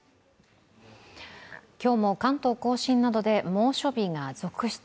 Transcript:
今日も関東甲信などで猛暑日が続出。